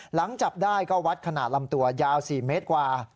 หลังจับได้ก็วัดขนาดลำตัวยาว๔เมตรกว่า